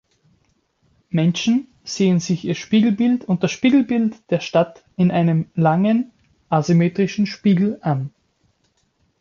Menschen sehen sich ihr Spiegelbild und das Spiegelbild der Stadt in einem langen, asymmetrischen Spiegel an.